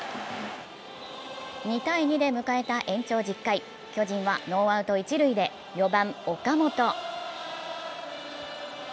２−２で迎えた延長１０回、巨人はノーアウト一塁で４番・岡本。